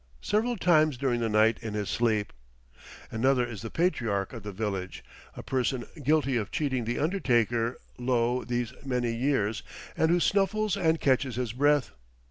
several times during the night in his sleep; another is the patriarch of the village, a person guilty of cheating the undertaker, lo! these many years, and who snuffles and catches his breath.